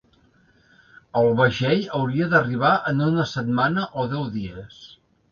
El vaixell hauria d'arribar en una setmana o deu dies.